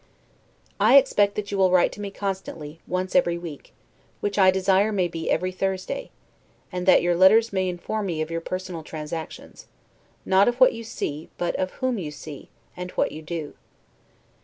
I expect that you will write to me constantly, once every week, which I desire may be every Thursday; and that your letters may inform me of your personal transactions: not of what you see, but of whom you see, and what you do.